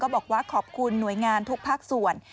บอกว่าขอบคุณหน่วยงานทุกภาคส่วน